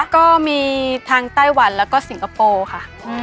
ก็มีทางไต้หวันแล้วก็สิงคโปร์ค่ะ